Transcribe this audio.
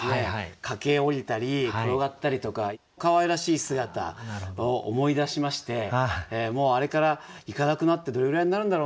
駆け下りたり転がったりとかかわいらしい姿を思い出しましてもうあれから行かなくなってどれぐらいになるんだろうなと。